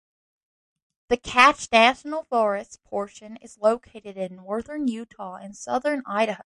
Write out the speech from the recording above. The Cache National Forest portion is located in northern Utah and southern Idaho.